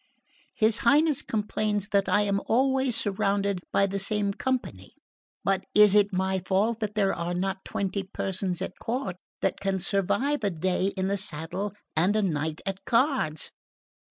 His Highness complains that I am always surrounded by the same company; but is it my fault if there are not twenty persons at court that can survive a day in the saddle and a night at cards?